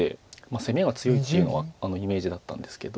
攻めが強いっていうのはイメージだったんですけど。